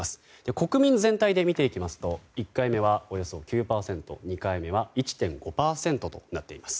国民全体で見ていきますと１回目はおよそ９％２回目は１．５％となっています。